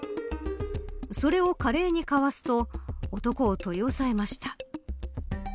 それを華麗に交わすと男を取り押さえました。